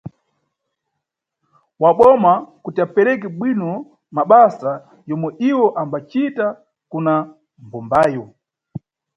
Wa boma kuti apereke bwino mabasa yomwe iwo ambacita kuna mbumbayo.